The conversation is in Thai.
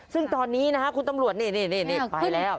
ซึ่งตอนนี้นะฮะคุณตำรวจนี่ไปแล้ว